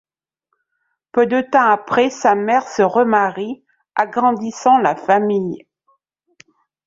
Peu de temps après, sa mère se remarie, agrandissant la famille.